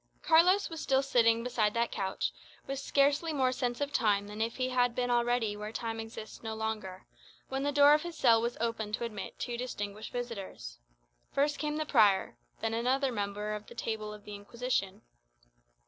Carlos was still sitting beside that couch, with scarcely more sense of time than if he had been already where time exists no longer, when the door of his cell was opened to admit two distinguished visitors. First came the prior; then another member of the Table of the Inquisition.